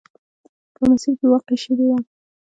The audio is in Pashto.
په مسیر کې واقع شوې وه.